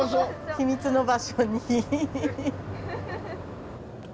秘密の場所に。